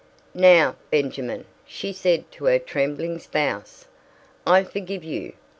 "Now, Benjamin," she said to her trembling spouse, "I forgive you.